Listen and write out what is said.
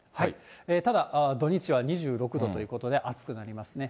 ただ、土日は２６度ということで、暑くなりますね。